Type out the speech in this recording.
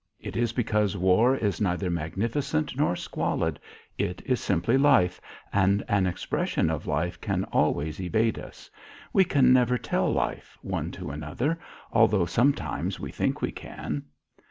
It is because war is neither magnificent nor squalid; it is simply life, and an expression of life can always evade us. We can never tell life, one to another, although sometimes we think we can."